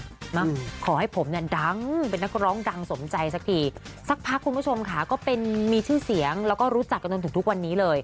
มาขอให้ผมเนี่ยดังเป็นนักร้องดังสมใจสักทีสักพักคุณผู้ชมค่ะก็เป็นมีชื่อเสียงแล้วก็รู้จักกันจนถึงทุกวันนี้เลย